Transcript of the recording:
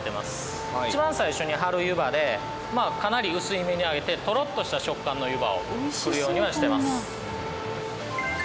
一番最初に張る湯葉でかなり薄めにあげてとろっとした食感の湯葉を作るようにはしてます。